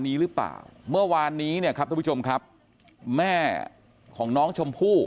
นี้หรือเปล่าเมื่อวานนี้เนี่ยครับทุกผู้ชมครับแม่ของน้องชมพู่